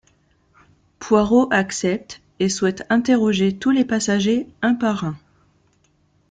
Poirot accepte et souhaite interroger tous les passagers un par un.